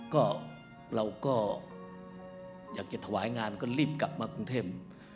ก็เราก็อยากจะถวายงานก็รีบกลับมากรุงเทพ